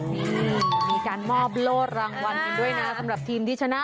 นี่มีการมอบโล่รางวัลกันด้วยนะสำหรับทีมที่ชนะ